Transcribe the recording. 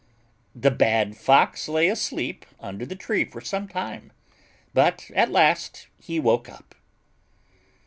The bad Fox lay fast asleep under the tree for some time, but at last he woke up.